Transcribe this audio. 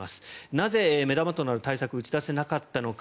なぜ目玉となる対策を打ち出せなかったのか。